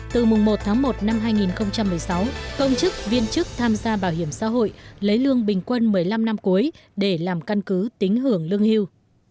từ mùng một tháng một năm hai nghìn một mươi sáu công chức viên chức tham gia bảo hiểm xã hội lấy lương bình quân một mươi năm năm cuối để làm căn cứ tính hưởng lương hưu